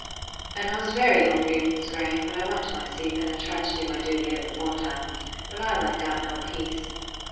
"And I was very ill grieved, Miss Grey; but I went to my seat, and I tried to do my duty as aforetime: but I like got no peace.